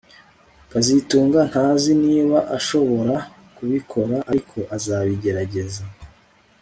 kazitunga ntazi niba ashobora kubikora ariko azabigerageza